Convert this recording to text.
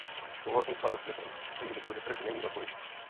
Souhlasím s panem Smithem, který řekl, že trh není odpovědí.